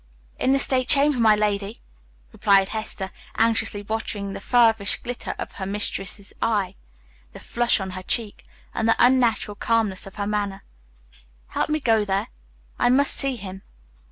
"In the state chamber, my lady," replied Hester, anxiously watching the feverish glitter of her mistress's eye, the flush on her cheek, and the unnatural calmness of her manner. "Help me to go there; I must see him."